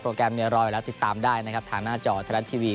แกรมเนี่ยรออยู่แล้วติดตามได้นะครับทางหน้าจอไทยรัฐทีวี